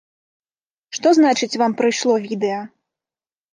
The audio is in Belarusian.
Што значыць, вам прыйшло відэа?